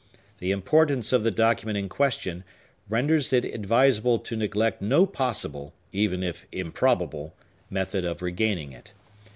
The importance of the document in question renders it advisable to neglect no possible, even if improbable, method of regaining it.